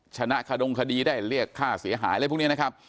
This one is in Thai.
ชนะขดงคดีได้เรียกค่าเสียหายอะไรพวกนี้นะครับ